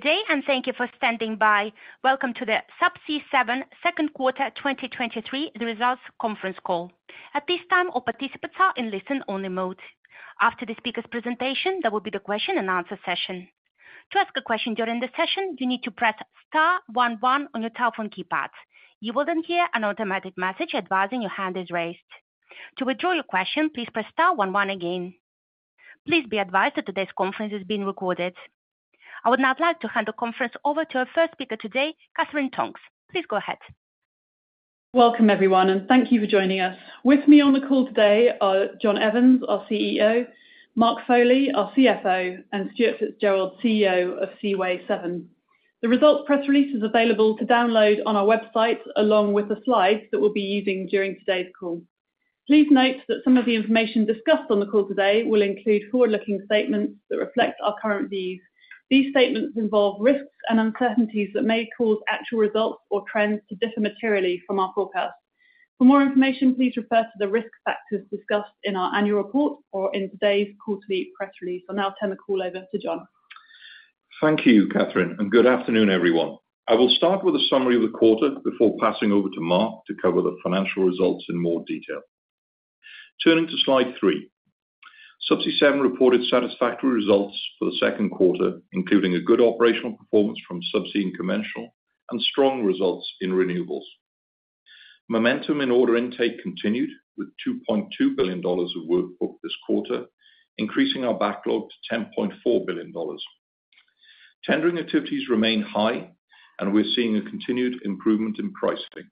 Good day, and thank you for standing by. Welcome to the Subsea 7 second quarter 2023 results conference call. At this time, all participants are in listen-only mode. After the speaker's presentation, there will be the question and answer session. To ask a question during the session, you need to press star one, one on your telephone keypad. You will then hear an automatic message advising your hand is raised. To withdraw your question, please press star one, one again. Please be advised that today's conference is being recorded. I would now like to hand the conference over to our first speaker today, Katherine Tonks. Please go ahead. Welcome, everyone, and thank you for joining us. With me on the call today are John Evans, our CEO, Mark Foley, our CFO, and Stuart Fitzgerald, CEO of Seaway 7. The results press release is available to download on our website, along with the slides that we'll be using during today's call. Please note that some of the information discussed on the call today will include forward-looking statements that reflect our current views. These statements involve risks and uncertainties that may cause actual results or trends to differ materially from our forecast. For more information, please refer to the risk factors discussed in our annual report or in today's quarterly press release. I'll now turn the call over to John. Thank you, Katherine. Good afternoon, everyone. I will start with a summary of the quarter before passing over to Mark to cover the financial results in more detail. Turning to slide three, Subsea 7 reported satisfactory results for the second quarter, including a good operational performance from Subsea and conventional, and strong results in renewables. Momentum in order intake continued, with $2.2 billion of work booked this quarter, increasing our backlog to $10.4 billion. Tendering activities remain high, and we're seeing a continued improvement in pricing.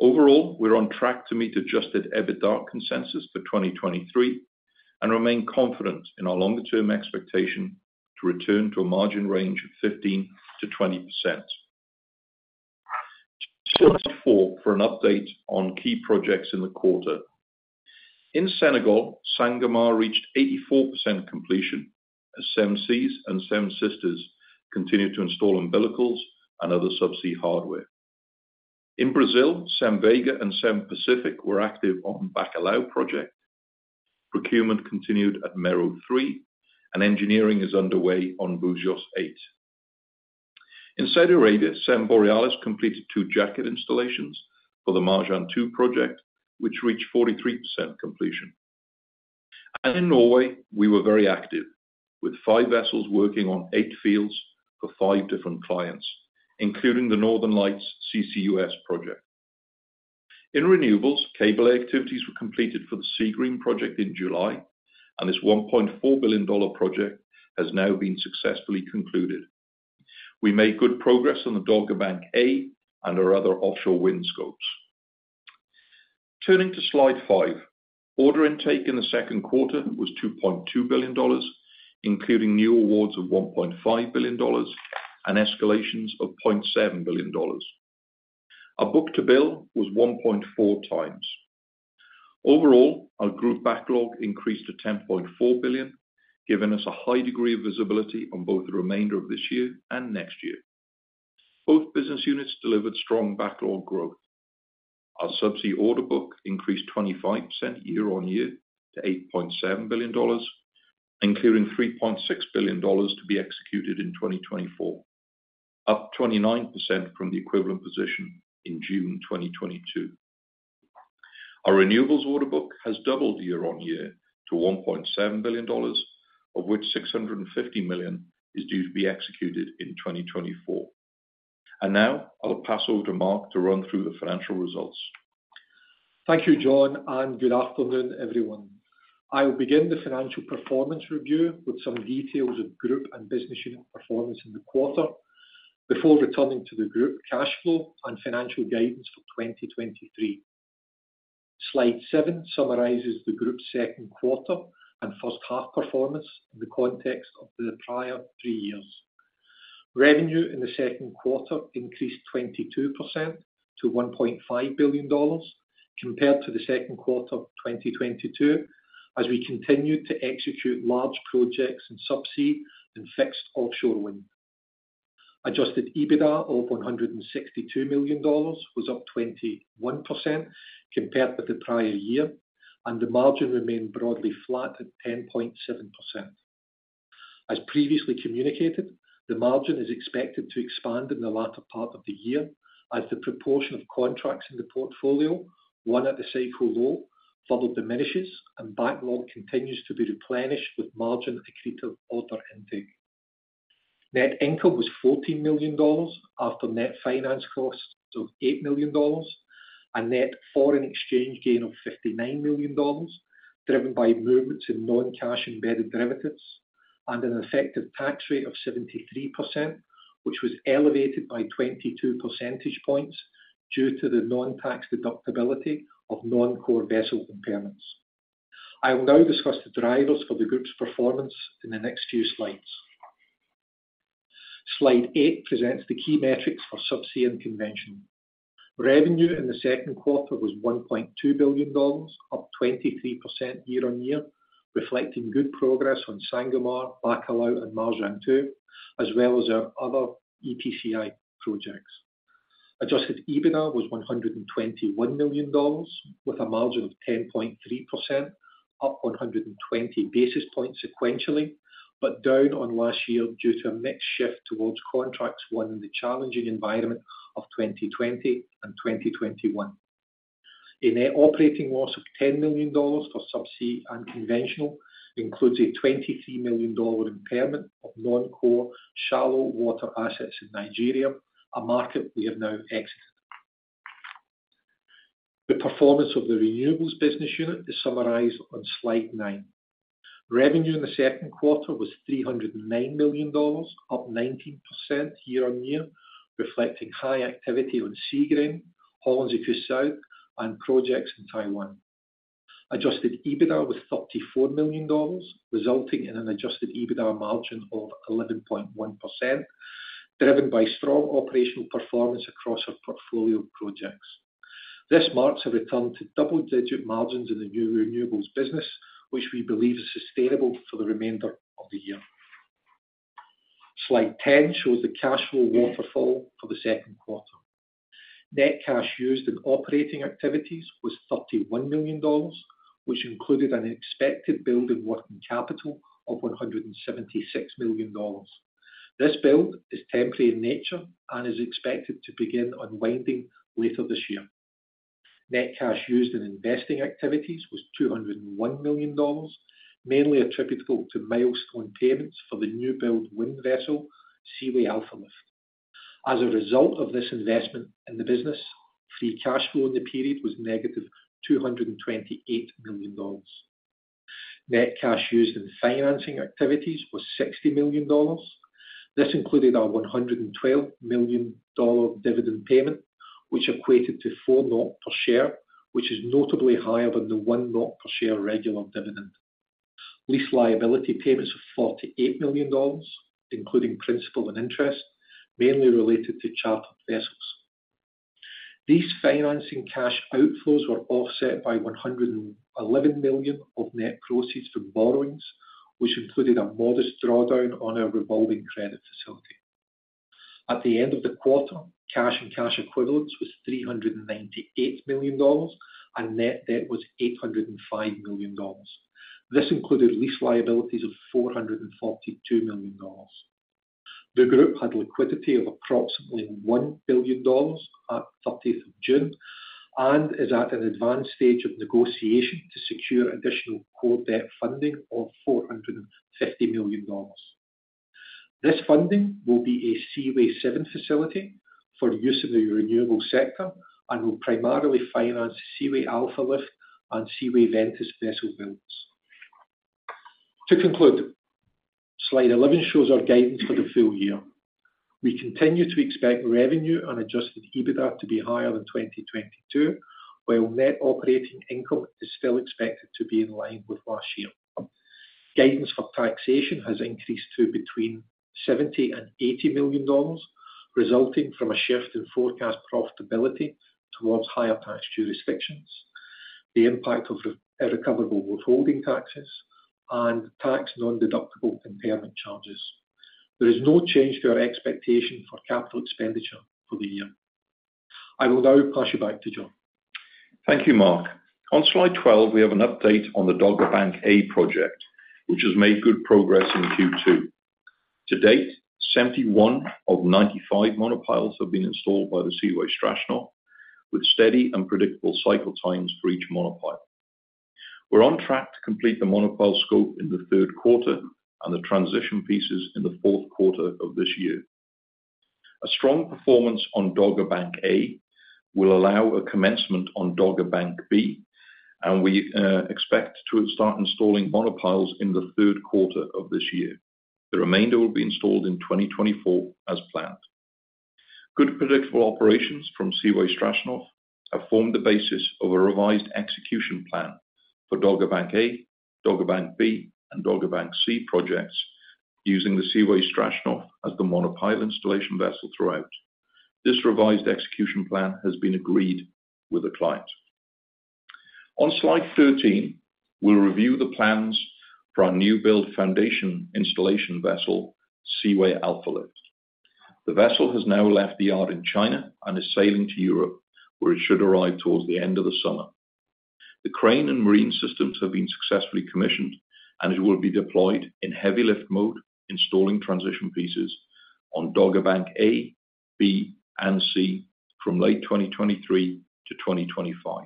Overall, we're on track to meet adjusted EBITDA consensus for 2023 and remain confident in our longer-term expectation to return to a margin range of 15%-20%. Slide four for an update on key projects in the quarter. In Senegal, Sangomar reached 84% completion, as Seven Seas and Seven Sisters continued to install umbilicals and other Subsea hardware. In Brazil, Seven Vega and Seven Pacific were active on Bacalhau project. Procurement continued at Mero-3, and engineering is underway on Búzios 8. In Saudi Arabia, Seven Borealis completed two jacket installations for the Marjan-2 project, which reached 43% completion. In Norway, we were very active, with five vessels working on 8 fields for 5 different clients, including the Northern Lights CCUS project. In renewables, cable activities were completed for the Seagreen project in July, and this $1.4 billion project has now been successfully concluded. We made good progress on the Dogger Bank A and our other offshore wind scopes. Turning to slide five, order intake in the second quarter was $2.2 billion, including new awards of $1.5 billion and escalations of $0.7 billion. Our book-to-bill was 1.4x. Overall, our group backlog increased to $10.4 billion, giving us a high degree of visibility on both the remainder of this year and next year. Both business units delivered strong backlog growth. Our Subsea order book increased 25% year-on-year to $8.7 billion, including $3.6 billion to be executed in 2024, up 29% from the equivalent position in June 2022. Our renewables order book has doubled year-on-year to $1.7 billion, of which $650 million is due to be executed in 2024. Now I'll pass over to Mark to run through the financial results. Thank you, John. Good afternoon, everyone. I will begin the financial performance review with some details of group and business unit performance in the quarter before returning to the group cash flow and financial guidance for 2023. Slide seven summarizes the group's second quarter and first half performance in the context of the prior three years. Revenue in the second quarter increased 22% to $1.5 billion, compared to the second quarter of 2022, as we continued to execute large projects in Subsea and fixed offshore wind. Adjusted EBITDA of $162 million was up 21% compared with the prior-year, and the margin remained broadly flat at 10.7%. As previously communicated, the margin is expected to expand in the latter part of the year as the proportion of contracts in the portfolio won at the cycle low further diminishes and backlog continues to be replenished with margin accretive order intake. Net income was $14 million after net finance costs of $8 million, a net foreign exchange gain of $59 million, driven by movements in non-cash embedded derivatives, and an effective tax rate of 73%, which was elevated by 22 percentage points due to the non-tax deductibility of non-core vessel impairments. I will now discuss the drivers for the group's performance in the next few slides. Slide eight presents the key metrics for Subsea and Convention. Revenue in the second quarter was $1.2 billion, up 23% year-on-year, reflecting good progress on Sangomar, Bacalhau, and Marjan-2, as well as our other EPCI projects. Adjusted EBITDA was $121 million, with a margin of 10.3%, up 120 basis points sequentially, but down on last year due to a mixed shift towards contracts won in the challenging environment of 2020 and 2021. A net operating loss of $10 million for Subsea and conventional, includes a $23 million impairment of non-core shallow water assets in Nigeria, a market we have now exited. The performance of the renewables business unit is summarized on slide nine. Revenue in the second quarter was $309 million, up 19% year-on-year, reflecting high activity on Seagreen, Hollandse Kust Zuid, and projects in Taiwan. Adjusted EBITDA was $34 million, resulting in an adjusted EBITDA margin of 11.1%, driven by strong operational performance across our portfolio of projects. This marks a return to double-digit margins in the new renewables business, which we believe is sustainable for the remainder of the year. Slide 10 shows the cash flow waterfall for the second quarter. Net cash used in operating activities was $31 million, which included an expected build in working capital of $176 million. This build is temporary in nature and is expected to begin unwinding later this year. Net cash used in investing activities was $201 million, mainly attributable to milestone payments for the new build wind vessel, Seaway Alfa Lift. As a result of this investment in the business, free cash flow in the period was negative $228 million. Net cash used in financing activities was $60 million. This included our $112 million dividend payment, which equated to 4.0 per share, which is notably higher than the 1.0 per share regular dividend. Lease liability payments of $48 million, including principal and interest, mainly related to charter vessels. These financing cash outflows were offset by $111 million of net proceeds from borrowings, which included a modest drawdown on our revolving credit facility. At the end of the quarter, cash and cash equivalents was $398 million, and net debt was $805 million. This included lease liabilities of $442 million. The group had liquidity of approximately $1 billion at 30th of June and is at an advanced stage of negotiation to secure additional core debt funding of $450 million. This funding will be a Seaway 7 facility for use in the renewable sector and will primarily finance Seaway Alfa Lift and Seaway Ventus vessel builds. To conclude, slide 11 shows our guidance for the full-year. We continue to expect revenue and adjusted EBITDA to be higher than 2022, while net operating income is still expected to be in line with last year. Guidance for taxation has increased to between $70 million and $80 million, resulting from a shift in forecast profitability towards higher tax jurisdictions, the impact of irrecoverable withholding taxes, and tax non-deductible impairment charges. There is no change to our expectation for capital expenditure for the year. I will now pass you back to John. Thank you, Mark. On slide 12, we have an update on the Dogger Bank A project, which has made good progress in Q2. To date, 71 of 95 monopiles have been installed by the Seaway Strashnov, with steady and predictable cycle times for each monopile. We're on track to complete the monopile scope in the third quarter and the transition pieces in the fourth quarter of this year. A strong performance on Dogger Bank A will allow a commencement on Dogger Bank B, and we expect to start installing monopiles in the third quarter of this year. The remainder will be installed in 2024 as planned. Good, predictable operations from Seaway Strashnov have formed the basis of a revised execution plan for Dogger Bank A, Dogger Bank B, and Dogger Bank C projects, using the Seaway Strashnov as the monopile installation vessel throughout. This revised execution plan has been agreed with the client. On slide 13, we'll review the plans for our new build foundation installation vessel, Seaway Alfa Lift. The vessel has now left the yard in China and is sailing to Europe, where it should arrive towards the end of the summer. The crane and marine systems have been successfully commissioned, and it will be deployed in heavy lift mode, installing transition pieces on Dogger Bank A, B, and C from late 2023 to 2025.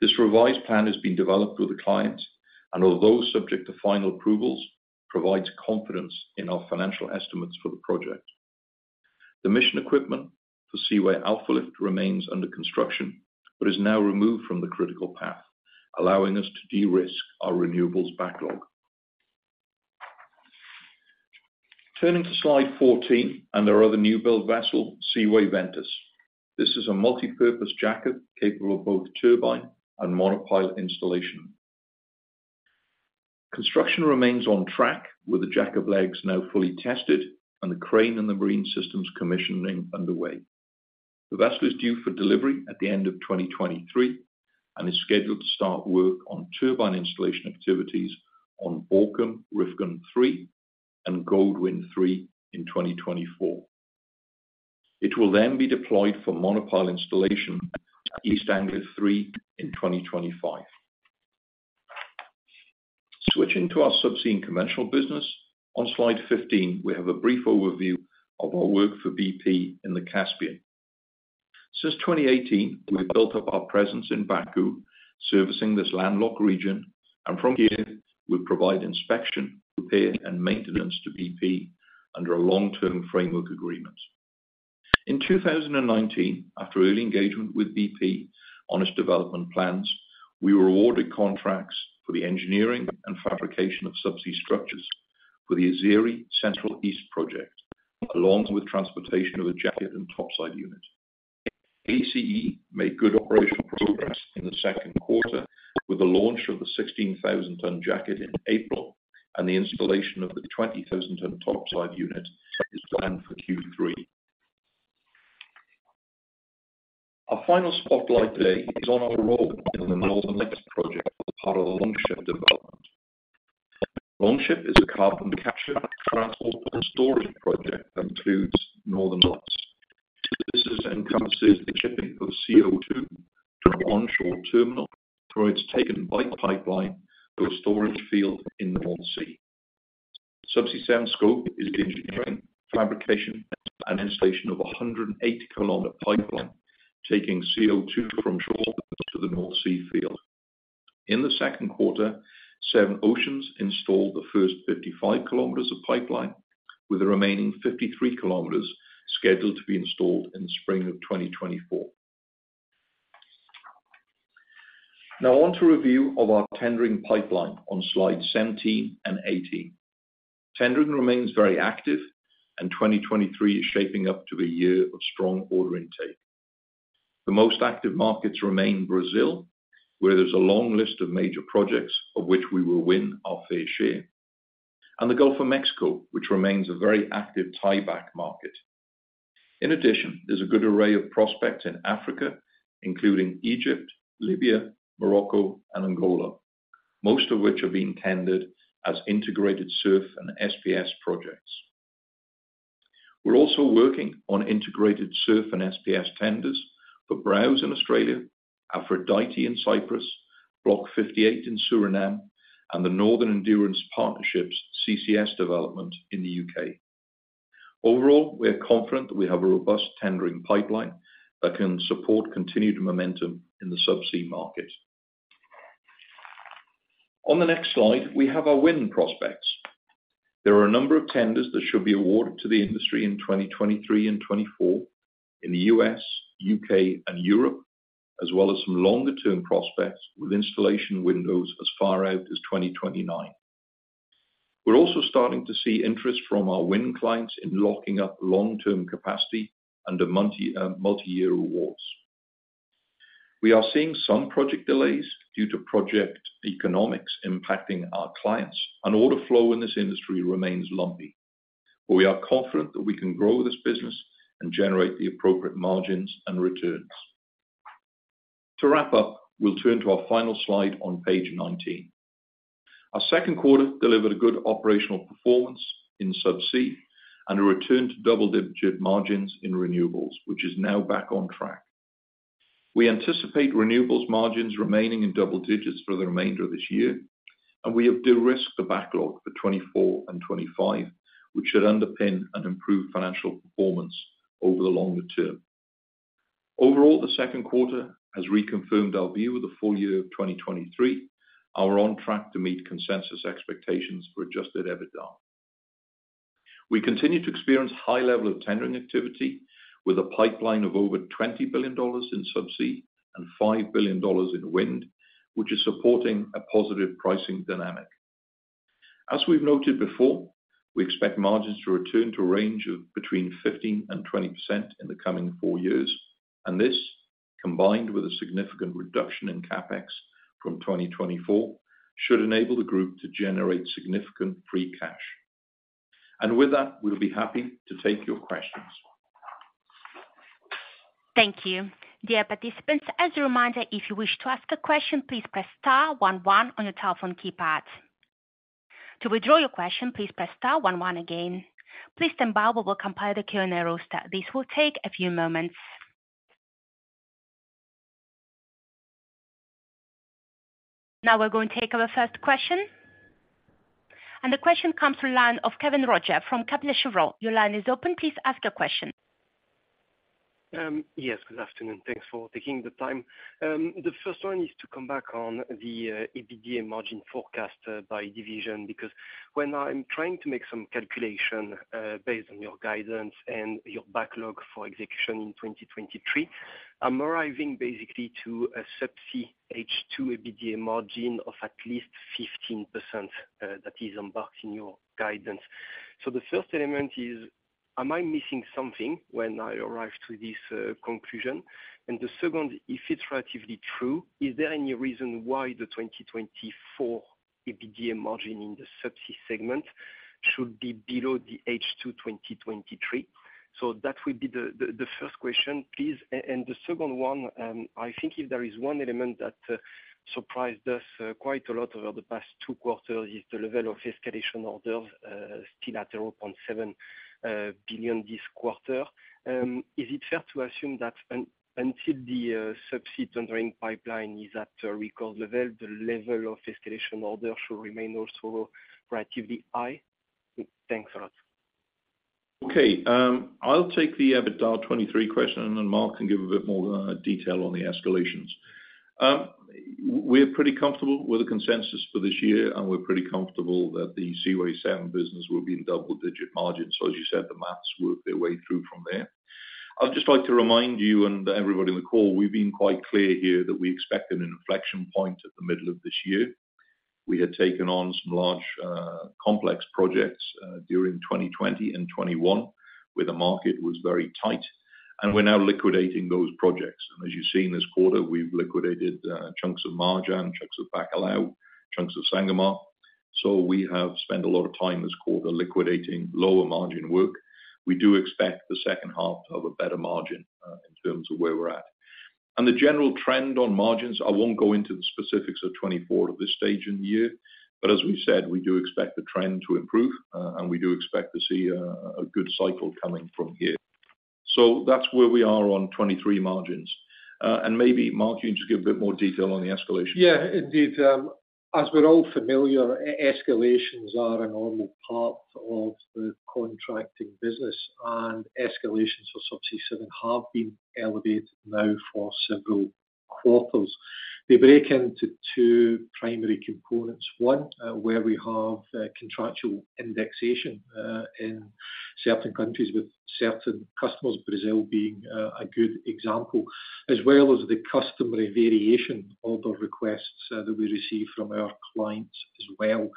This revised plan has been developed with the clients, and although subject to final approvals, provides confidence in our financial estimates for the project. The mission equipment for Seaway Alfa Lift remains under construction, but is now removed from the critical path, allowing us to de-risk our renewables backlog. Turning to slide 14 and our other new build vessel, Seaway Ventus. This is a multipurpose jacket capable of both turbine and monopile installation. Construction remains on track, with the jacket legs now fully tested and the crane and the marine systems commissioning underway. The vessel is due for delivery at the end of 2023 and is scheduled to start work on turbine installation activities on Borkum Riffgrund 3 and Goldwind 3 in 2024. It will be deployed for monopile installation at East Anglia THREE in 2025. Switching to our Subsea and conventional business, on slide 15, we have a brief overview of our work for BP in the Caspian. Since 2018, we have built up our presence in Baku, servicing this landlocked region, and from here we provide inspection, repair, and maintenance to BP under a long-term framework agreement. In 2019, after early engagement with BP on its development plans, we were awarded contracts for the engineering and fabrication of Subsea structures for the Azeri Central East project, along with transportation of the jacket and topside unit. ACE made good operational progress in the second quarter with the launch of the 16,000 tons jacket in April, and the installation of the 20,000 tons topside unit is planned for Q3. Our final spotlight today is on our role in the Northern Lights project, part of the Longship development. Longship is a carbon capture, transport, and storage project that includes Northern Lights. This encompasses the shipping of CO2 from an onshore terminal, where it's taken by pipeline to a storage field in the North Sea. Subsea 7s scope is the engineering, fabrication, and installation of a 180 kilometer pipeline, taking CO2 from shore to the North Sea field. In the second quarter, Seven Oceans installed the first 55 kilometers of pipeline, with the remaining 53 kilometers scheduled to be installed in spring of 2024. On to review of our tendering pipeline on slide 17 and 18. Tendering remains very active, and 2023 is shaping up to be a year of strong order intake. The most active markets remain Brazil, where there's a long list of major projects of which we will win our fair share, and the Gulf of Mexico, which remains a very active tieback market. In addition, there's a good array of prospects in Africa, including Egypt, Libya, Morocco, and Angola, most of which are being tendered as integrated SURF and SPS projects. We're also working on integrated SURF and SPS tenders for Browse in Australia, Aphrodite in Cyprus, Block 58 in Suriname, and the Northern Endurance Partnership's CCS development in the U.K. Overall, we are confident that we have a robust tendering pipeline that can support continued momentum in the Subsea market. On the next slide, we have our wind prospects. There are a number of tenders that should be awarded to the industry in 2023 and 2024 in the U.S., U.K., and Europe, as well as some longer-term prospects with installation windows as far out as 2029. We're also starting to see interest from our wind clients in locking up long-term capacity under multi-year awards. We are seeing some project delays due to project economics impacting our clients, and order flow in this industry remains lumpy, but we are confident that we can grow this business and generate the appropriate margins and returns. To wrap up, we'll turn to our final slide on page 19. Our second quarter delivered a good operational performance in Subsea and a return to double-digit margins in renewables, which is now back on track. We anticipate renewables margins remaining in double digits for the remainder of this year, and we have de-risked the backlog for 2024 and 2025, which should underpin an improved financial performance over the longer term. Overall, the second quarter has reconfirmed our view of the full-year of 2023, and we're on track to meet consensus expectations for adjusted EBITDA. We continue to experience high level of tendering activity with a pipeline of over $20 billion in Subsea and $5 billion in wind, which is supporting a positive pricing dynamic. As we've noted before, we expect margins to return to a range of between 15% and 20% in the coming four years, this, combined with a significant reduction in CapEx from 2024, should enable the group to generate significant free cash. With that, we'll be happy to take your questions. Thank you. Dear participants, as a reminder, if you wish to ask a question, please press star one one on your telephone keypad. To withdraw your question, please press star one one again. Please stand by, we will compile the Q&A roster. This will take a few moments. We're going to take our first question. The question comes from line of Kévin Roger from Kepler Cheuvreux. Your line is open. Please ask your question. Yes, good afternoon. Thanks for taking the time. The first one is to come back on the EBITDA margin forecast by division, because when I'm trying to make some calculation based on your guidance and your backlog for execution in 2023, I'm arriving basically to a Subsea H2 EBITDA margin of at least 15% that is embarked in your guidance. The first element is, am I missing something when I arrive to this conclusion? The second, if it's relatively true, is there any reason why the 2024 EBITDA margin in the Subsea segment should be below the H2 2023? That would be the first question, please. The second one, I think if there is one element that surprised us quite a lot over the past two quarters, is the level of escalation orders, still at $0.7 billion this quarter. Is it fair to assume that until the Subsea tutoring pipeline is at a record level, the level of escalation order should remain also relatively high? Thanks a lot. I'll take the EBITDA 23 question. Mark can give a bit more detail on the escalations. We're pretty comfortable with the consensus for this year. We're pretty comfortable that the Seaway 7 business will be in double-digit margins. As you said, the maths work their way through from there. I'd just like to remind you and everybody on the call, we've been quite clear here that we expect an inflection point at the middle of this year. We had taken on some large, complex projects during 2020 and 2021, where the market was very tight. We're now liquidating those projects. As you've seen this quarter, we've liquidated chunks of Marjan, chunks of Bacalhau, chunks of Sangomar. We have spent a lot of time this quarter liquidating lower margin work. We do expect the second half to have a better margin in terms of where we're at. The general trend on margins, I won't go into the specifics of 2024 at this stage in the year, but as we said, we do expect the trend to improve, and we do expect to see a good cycle coming from here. That's where we are on 2023 margins. Maybe, Mark, you can just give a bit more detail on the escalation. Indeed. As we're all familiar, escalations are a normal part of the contracting business, and escalations for Subsea 7 have been elevated now for several quarters. They break into two primary components. One, where we have contractual indexation in certain countries with certain customers, Brazil being a good example, as well as the customary variation order requests that we receive from our clients as well,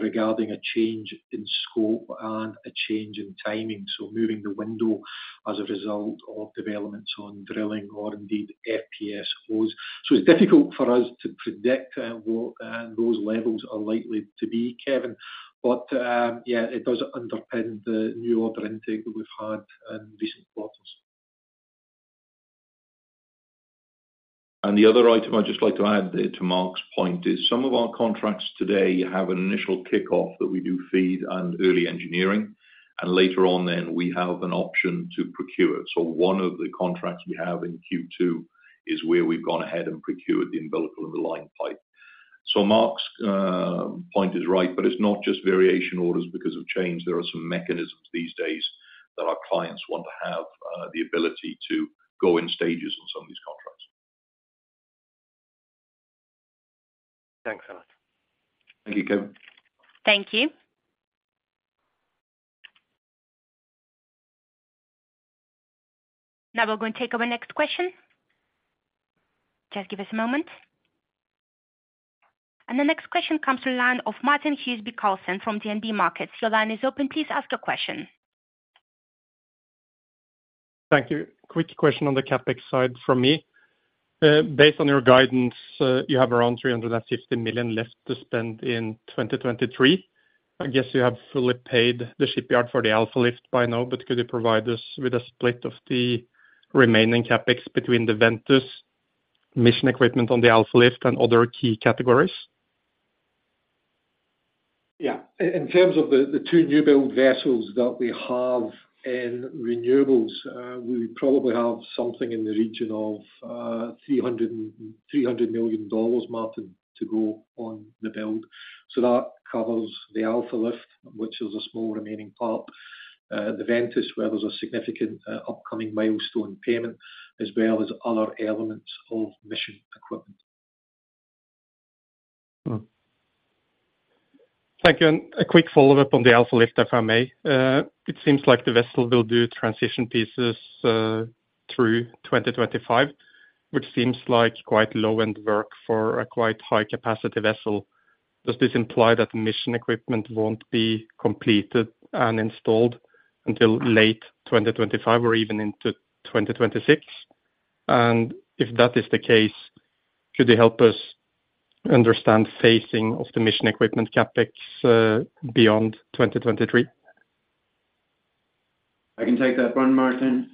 regarding a change in scope and a change in timing. Moving the window as a result of developments on drilling or indeed FPSOs. It's difficult for us to predict what those levels are likely to be, Kévin. It does underpin the new order intake that we've had in recent quarters. The other item I'd just like to add to Mark's point is, some of our contracts today have an initial kickoff that we do FEED and early engineering, and later on then, we have an option to procure. One of the contracts we have in Q2, is where we've gone ahead and procured the umbilical and the line pipe. Mark's point is right, but it's not just variation orders because of change, there are some mechanisms these days that our clients want to have the ability to go in stages on some of these contracts. Thanks a lot. Thank you, Kévin. Thank you. Now we're going to take our next question. Just give us a moment. The next question comes to the line of Martin Huseby Karlsen from DNB Markets. Your line is open, please ask your question. Thank you. Quick question on the CapEx side from me. Based on your guidance, you have around $350 million left to spend in 2023. I guess you have fully paid the shipyard for the Alfa Lift by now, but could you provide us with a split of the remaining CapEx between the Ventus mission equipment on the Alfa Lift and other key categories? Yeah. In terms of the two new build vessels that we have in renewables, we probably have something in the region of $300 million, Martin, to go on the build. That covers the Alfa Lift, which is a small remaining part, the Ventus, where there's a significant upcoming milestone payment, as well as other elements of mission equipment. Thank you. A quick follow-up on the Alfa Lift, if I may. It seems like the vessel will do transition pieces through 2025, which seems like quite low-end work for a quite high-capacity vessel. Does this imply that mission equipment won't be completed and installed until late 2025 or even into 2026? If that is the case, could you help us understand phasing of the mission equipment CapEx beyond 2023? I can take that one, Martin.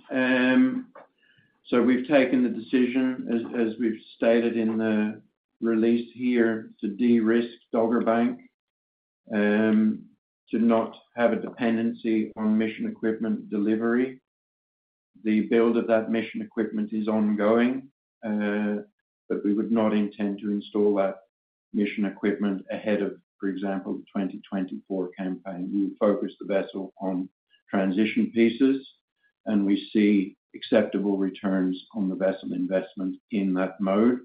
We've taken the decision, as we've stated in the release here, to de-risk Dogger Bank, to not have a dependency on mission equipment delivery. The build of that mission equipment is ongoing, but we would not intend to install that mission equipment ahead of, for example, the 2024 campaign. We would focus the vessel on transition pieces, and we see acceptable returns on the vessel investment in that mode,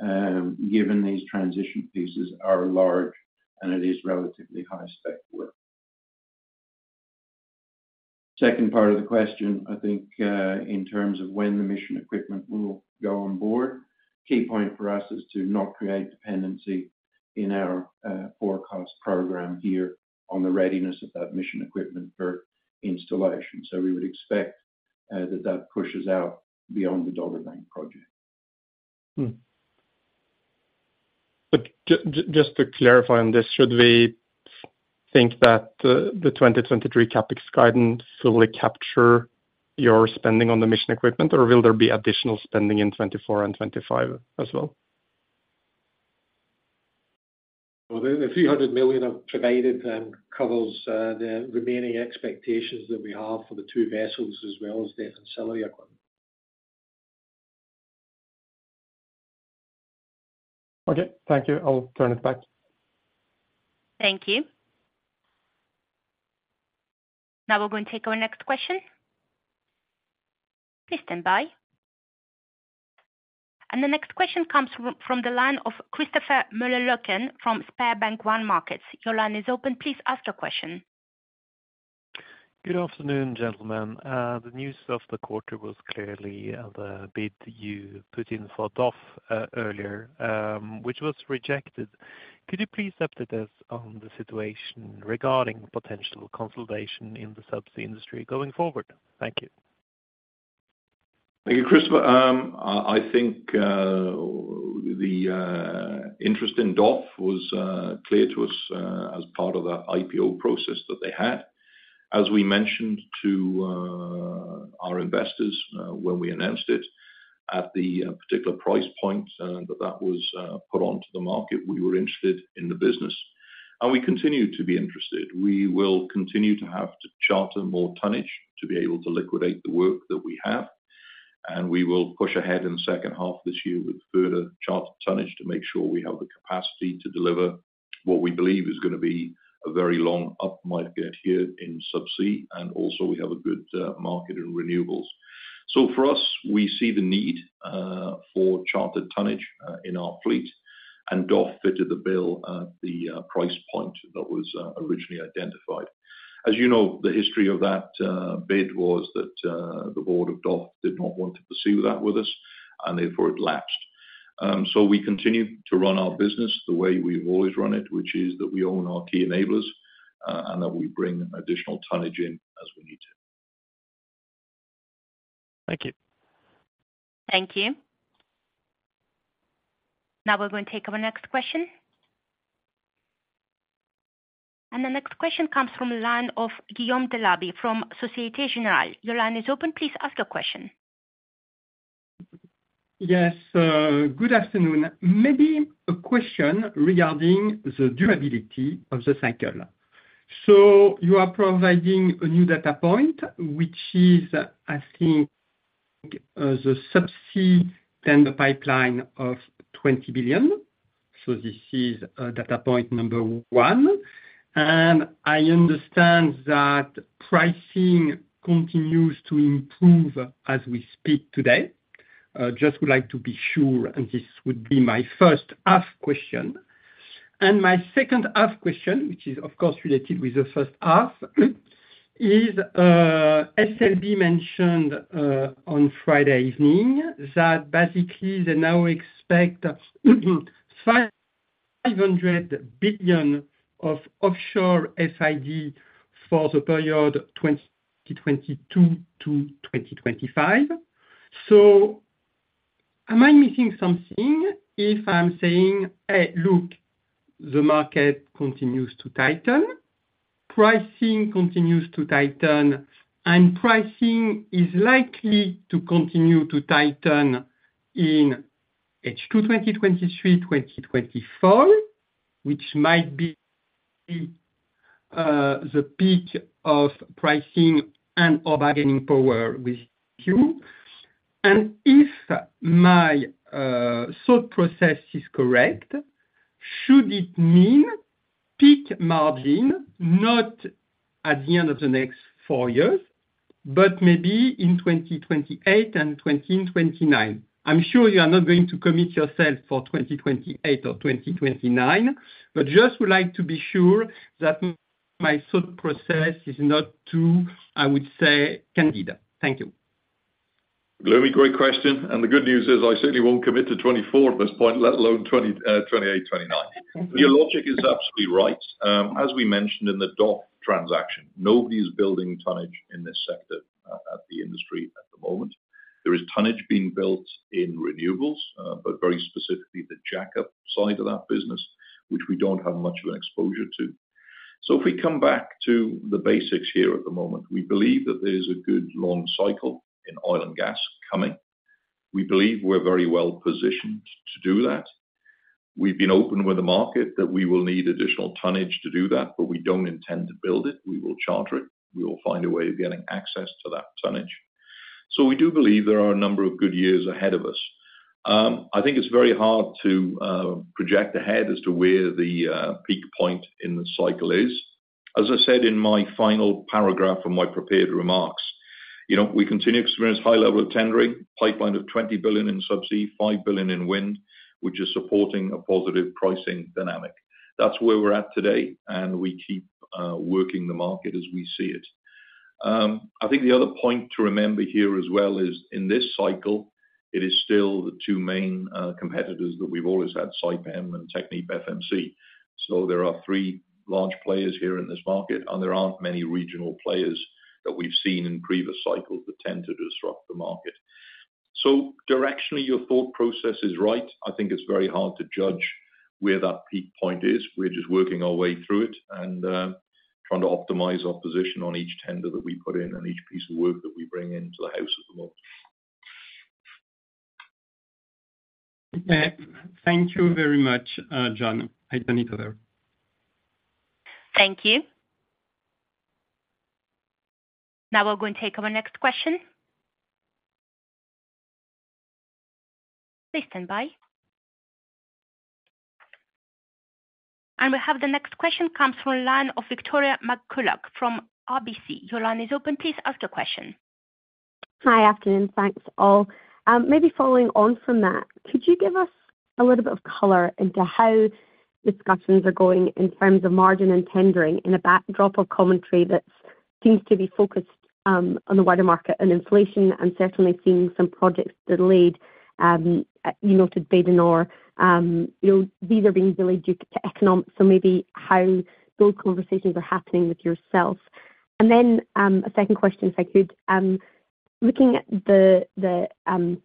given these transition pieces are large and it is relatively high-spec work. Second part of the question, I think, in terms of when the mission equipment will go on board. Key point for us is to not create dependency in our forecast program here on the readiness of that mission equipment for installation. We would expect that that pushes out beyond the Dogger Bank project. Just to clarify on this, should we think that the 2023 CapEx guidance fully capture your spending on the mission equipment, or will there be additional spending in 2024 and 2025 as well? The $300 million I've provided covers the remaining expectations that we have for the two vessels as well as the ancillary equipment. Okay, thank you. I'll turn it back. Thank you. Now we're going to take our next question. Please stand by. The next question comes from the line of Christopher Møllerløkken, from SpareBank 1 Markets. Your line is open. Please ask your question. Good afternoon, gentlemen. The news of the quarter was clearly the bid you put in for DOF, earlier, which was rejected. Could you please update us on the situation regarding potential consolidation in the Subsea industry going forward? Thank you. Thank you, Christopher. I think the interest in DOF was clear to us as part of that IPO process that they had. As we mentioned to our investors, when we announced it, at the particular price point that was put onto the market, we were interested in the business, and we continue to be interested. We will continue to have to charter more tonnage to be able to liquidate the work that we have, and we will push ahead in the second half of this year with further charter tonnage to make sure we have the capacity to deliver what we believe is gonna be a very long up market here in Subsea, and also we have a good market in renewables. For us, we see the need for chartered tonnage in our fleet, and DOF fitted the bill at the price point that was originally identified. As you know, the history of that bid was that the board of DOF did not want to proceed with that with us, and therefore it lapsed. We continue to run our business the way we've always run it, which is that we own our key enablers, and that we bring additional tonnage in as we need to. Thank you. Thank you. Now we're going to take our next question. The next question comes from the line of Guillaume Delaby from Societe Generale. Your line is open. Please ask your question. Yes, good afternoon. Maybe a question regarding the durability of the cycle. You are providing a new data point, which is, I think, the Subsea tender pipeline of $20 billion. This is data point number one. I understand that pricing continues to improve as we speak today. Just would like to be sure, and this would be my first half question. My second half question, which is, of course, related with the first half, is SLB mentioned on Friday evening, that basically they now expect $500 billion of offshore FID for the period 2022 to 2025. Am I missing something if I'm saying: "Hey, look, the market continues to tighten, pricing continues to tighten, and pricing is likely to continue to tighten in H2 2023, 2024, which might be the peak of pricing and/or bargaining power with you?" If my thought process is correct, should it mean peak margin, not at the end of the next four years, but maybe in 2028 and 2029? I'm sure you are not going to commit yourself for 2028 or 2029, but just would like to be sure that my thought process is not too, I would say, candidate. Thank you. Guillaume, great question. The good news is I certainly won't commit to 24 at this point, let alone 20, 28, 29. Your logic is absolutely right. As we mentioned in the DOF transaction, nobody is building tonnage in this sector at the industry at the moment. There is tonnage being built in renewables, but very specifically the jackup side of that business, which we don't have much of an exposure to. If we come back to the basics here at the moment, we believe that there is a good long cycle in oil and gas coming. We believe we're very well positioned to do that. We've been open with the market that we will need additional tonnage to do that, but we don't intend to build it. We will charter it. We will find a way of getting access to that tonnage. We do believe there are a number of good years ahead of us. I think it's very hard to project ahead as to where the peak point in the cycle is. As I said in my final paragraph from my prepared remarks, you know, we continue to experience high level of tendering, pipeline of $20 billion in Subsea, $5 billion in wind, which is supporting a positive pricing dynamic. That's where we're at today, and we keep working the market as we see it. I think the other point to remember here as well is, in this cycle, it is still the two main competitors that we've always had, Saipem and TechnipFMC. There are three large players here in this market, and there aren't many regional players that we've seen in previous cycles that tend to disrupt the market. Directionally, your thought process is right. I think it's very hard to judge where that peak point is. We're just working our way through it, and trying to optimize our position on each tender that we put in and each piece of work that we bring into the house at the moment. Thank you very much, John. I don't need other. Thank you. Now we'll go and take our next question. Please stand by. We have the next question comes from a line of Victoria McCulloch from RBC. Your line is open. Please ask the question. Hi. Afternoon. Thanks, all. Maybe following on from that, could you give us a little bit of color into how discussions are going in terms of margin and tendering in a backdrop of commentary that seems to be focused on the wider market and inflation, and certainly seeing some projects delayed, you noted Bay du Nord? You know, these are being delayed due to economics, so maybe how those conversations are happening with yourself. Then a second question, if I could. Looking at the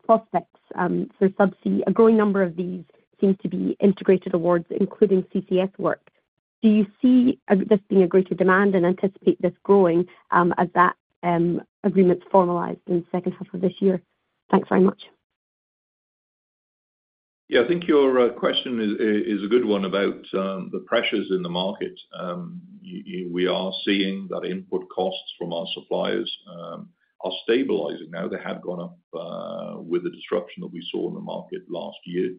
prospects for Subsea, a growing number of these seem to be integrated awards, including CCS work. Do you see this being a greater demand and anticipate this growing as that agreement is formalized in the second half of this year? Thanks very much. I think your question is a good one about the pressures in the market. We are seeing that input costs from our suppliers are stabilizing now. They have gone up with the disruption that we saw in the market last year.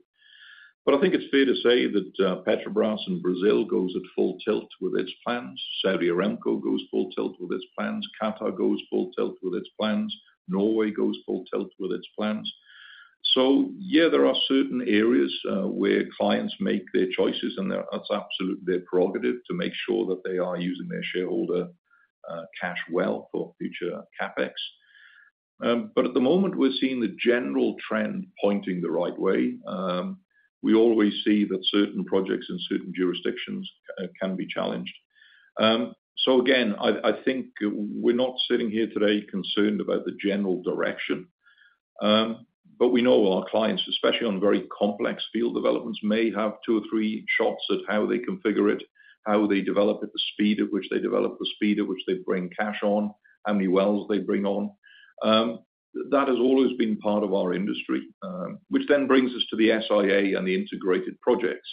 I think it's fair to say that Petrobras in Brazil goes at full tilt with its plans. Saudi Aramco goes full tilt with its plans. Qatar goes full tilt with its plans. Norway goes full tilt with its plans. There are certain areas where clients make their choices, and that's absolutely their prerogative to make sure that they are using their shareholder cash well for future CapEx. At the moment, we're seeing the general trend pointing the right way. We always see that certain projects in certain jurisdictions can be challenged. Again, I think we're not sitting here today concerned about the general direction. We know our clients, especially on very complex field developments, may have two or three shots at how they configure it, how they develop at the speed at which they develop, the speed at which they bring cash on, how many wells they bring on. That has always been part of our industry, which then brings us to the SIA and the integrated projects,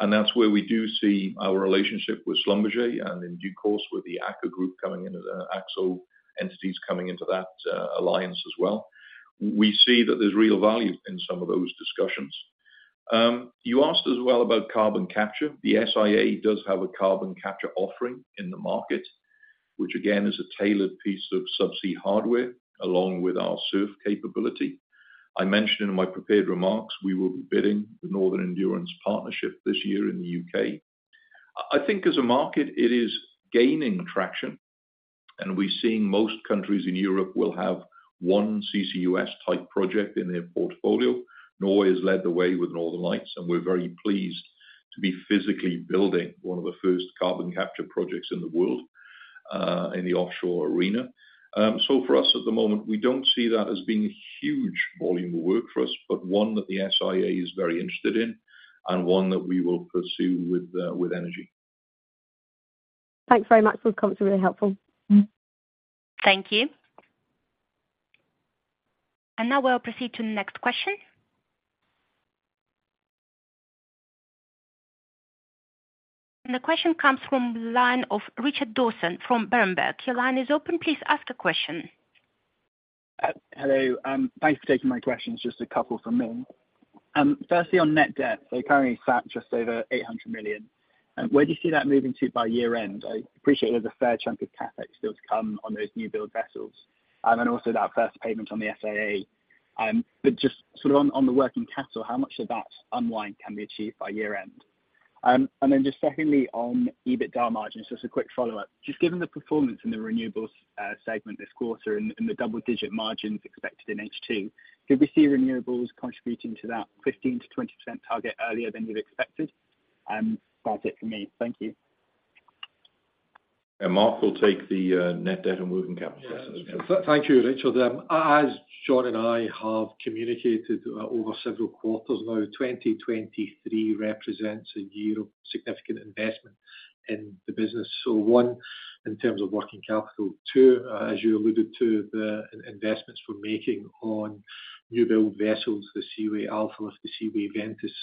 and that's where we do see our relationship with Schlumberger and in due course, with the Aker group coming in as Aker entities coming into that alliance as well. We see that there's real value in some of those discussions. You asked as well about carbon capture. The SIA does have a carbon capture offering in the market, which again, is a tailored piece of Subsea hardware, along with our SURF capability. I mentioned in my prepared remarks, we will be bidding the Northern Endurance Partnership this year in the UK. I think as a market, it is gaining traction, and we're seeing most countries in Europe will have one CCUS-type project in their portfolio. Norway has led the way with Northern Lights, and we're very pleased to be physically building one of the first carbon capture projects in the world in the offshore arena. For us, at the moment, we don't see that as being a huge volume of work for us, but one that the SIA is very interested in and one that we will pursue with energy. Thanks very much. Those comments are really helpful. Thank you. Now we'll proceed to the next question. The question comes from the line of Richard Dawson from Berenberg. Your line is open. Please ask the question. Hello. Thanks for taking my questions, just a couple from me. Firstly, on net debt, you currently sat just over $800 million. Where do you see that moving to by year-end? I appreciate there's a fair chunk of CapEx still to come on those new build vessels. Also that first payment on the SIA. Just sort of on the working capital, how much of that unwind can be achieved by year-end? Just secondly, on EBITDA margins, just a quick follow-up. Just given the performance in the renewables segment this quarter and the double-digit margins expected in H2, could we see renewables contributing to that 15%-20% target earlier than you'd expected? That's it for me. Thank you. Mark will take the net debt and working capital questions. Thank you, Richard. As John and I have communicated over several quarters now, 2023 represents a year of significant investment in the business. One, in terms of working capital. Two, as you alluded to, the investments we're making on new build vessels, the Seaway Alfa, the Seaway Ventus,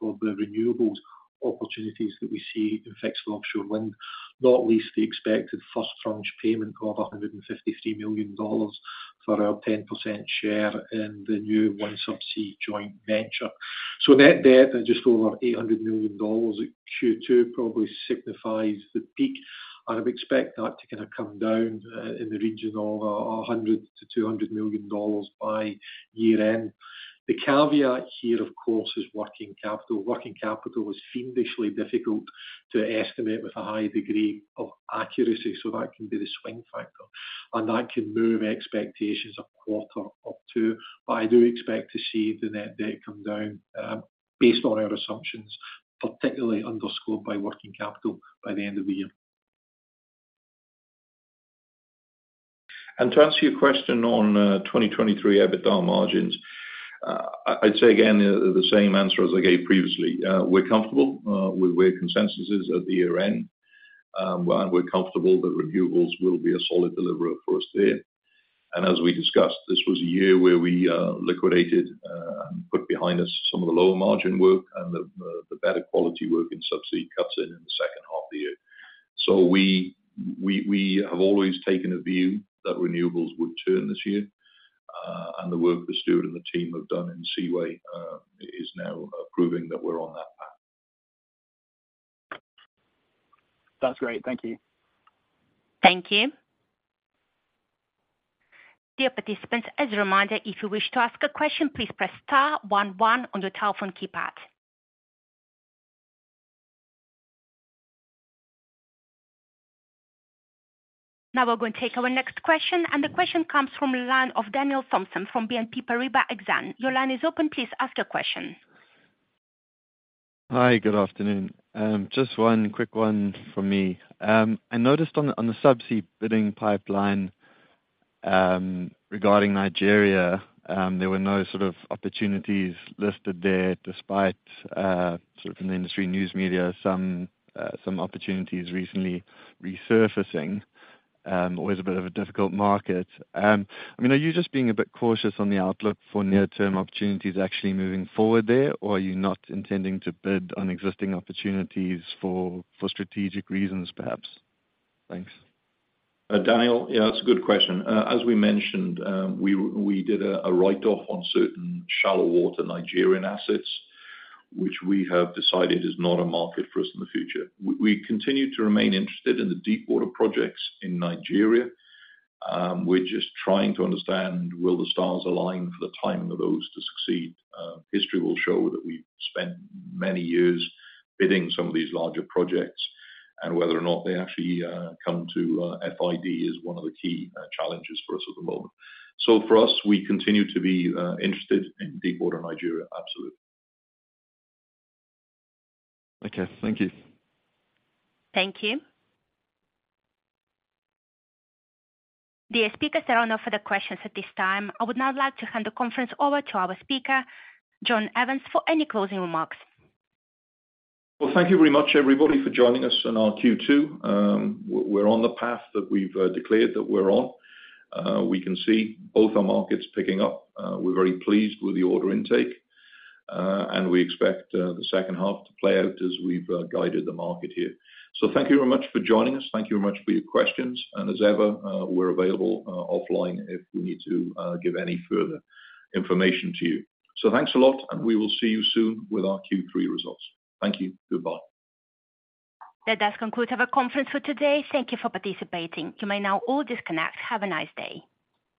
for the renewables opportunities that we see in fixed offshore wind, not least the expected first tranche payment of $153 million for our 10% share in the new OneSubsea joint venture. Net debt at just over $800 million at Q2 probably signifies the peak, and we expect that to kind of come down in the region of $100 million-$200 million by year-end. The caveat here, of course, is working capital. Working capital is fiendishly difficult to estimate with a high degree of accuracy. That can be the swing factor, and that can move expectations a quarter or two. I do expect to see the net debt come down, based on our assumptions, particularly underscored by working capital by the end of the year. To answer your question on 2023 EBITDA margins, I'd say again, the same answer as I gave previously. We're comfortable with where consensus is at the year-end. We're comfortable that renewables will be a solid deliverer for us there. As we discussed, this was a year where we liquidated and put behind us some of the lower margin work and the better quality work in Subsea cuts in the second half of the year. We have always taken a view that renewables would turn this year. The work that Stuart and the team have done in Seaway 7 is now proving that we're on that path. That's great. Thank you. Thank you. Dear participants, as a reminder, if you wish to ask a question, please press star 1 1 on your telephone keypad. Now we're going to take our next question, and the question comes from the line of Daniel Thomson from BNP Paribas Exane. Your line is open. Please ask your question. Hi, good afternoon. Just one quick one from me. I noticed on the, on the Subsea bidding pipeline, regarding Nigeria, there were no sort of opportunities listed there, despite, sort of in the industry news media, some opportunities recently resurfacing, always a bit of a difficult market. I mean, are you just being a bit cautious on the outlook for near-term opportunities actually moving forward there? Or are you not intending to bid on existing opportunities for strategic reasons, perhaps? Thanks. Daniel. Yeah, that's a good question. As we mentioned, we did a write-off on certain shallow water Nigerian assets, which we have decided is not a market for us in the future. We continue to remain interested in the deep water projects in Nigeria. We're just trying to understand, will the stars align for the timing of those to succeed? History will show that we've spent many years bidding some of these larger projects, and whether or not they actually come to FID is one of the key challenges for us at the moment. For us, we continue to be interested in deep water Nigeria, absolutely. Okay. Thank you. Thank you. Dear speakers, there are no further questions at this time. I would now like to hand the conference over to our speaker, John Evans, for any closing remarks. Well, thank you very much, everybody, for joining us on our Q2. We're on the path that we've declared that we're on. We can see both our markets picking up. We're very pleased with the order intake, and we expect the second half to play out as we've guided the market here. Thank you very much for joining us. Thank you very much for your questions, and as ever, we're available offline if we need to give any further information to you. Thanks a lot, and we will see you soon with our Q3 results. Thank you. Goodbye. That does conclude our conference for today. Thank you for participating. You may now all disconnect. Have a nice day.